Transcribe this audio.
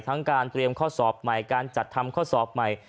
การเตรียมข้อสอบใหม่การจัดทำข้อสอบใหม่